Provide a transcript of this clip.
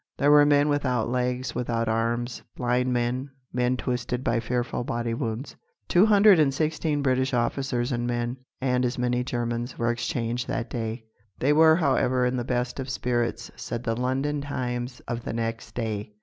There were men without legs, without arms, blind men, men twisted by fearful body wounds. Two hundred and sixteen British officers and men, and as many Germans, were exchanged that day. "They were, however, in the best of spirits," said the London Times of the next day!